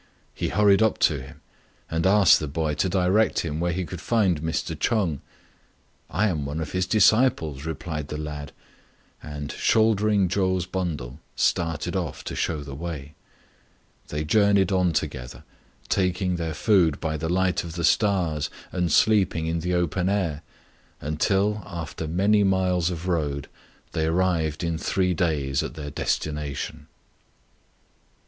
He hurried up to him and asked the boy to direct him where he could find Mr. Ch'eng " I am one of his disciples," replied the lad ; and, shoulder ing Chou's bundle, started off to shew the way. They journeyed on together, taking their food by the light of the stars, and sleeping in the open air, until, after many miles of road, they arrived in three days at their desti nation.